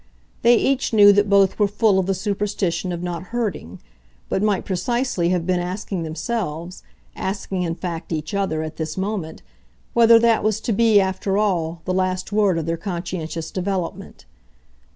They each knew that both were full of the superstition of not "hurting," but might precisely have been asking themselves, asking in fact each other, at this moment, whether that was to be, after all, the last word of their conscientious development.